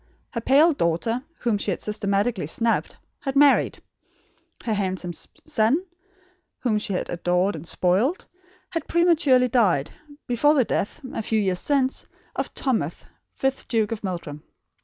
Her pale daughter, whom she had systematically snubbed, had married; her handsome son, whom she had adored and spoiled, had prematurely died, before the death, a few years since, of Thomas, fifth Duke of Meldrum.